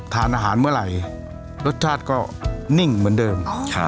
ทานอาหารเมื่อไหร่รสชาติก็นิ่งเหมือนเดิม